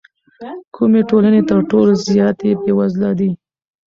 کومې ټولنې تر ټولو زیاتې بېوزله دي؟